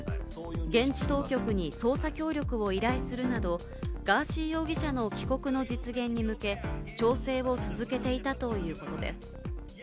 現地当局に捜査協力を依頼するなど、ガーシー容疑者の帰国の実現に向け、調整を続けていたということです。